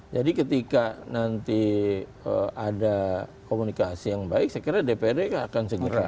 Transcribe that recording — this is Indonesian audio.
jadi ketika nanti ada komunikasi yang baik saya kira dprd akan segera